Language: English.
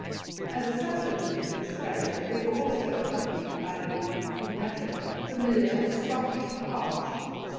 As a supplement to these carriers, we were also accompanied by the (in Africa) familiar "Scotch cart."